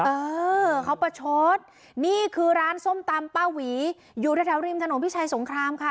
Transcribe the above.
เออเขาประชดนี่คือร้านส้มตำป้าหวีอยู่แถวริมถนนพิชัยสงครามค่ะ